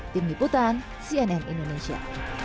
tim liputan cnn indonesia